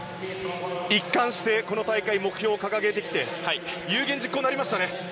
一貫して、この大会目標を掲げてきて有言実行になりましたね。